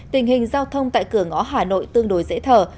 tình hình giao thông tại cửa ngõ hà nội tương đối dễ thở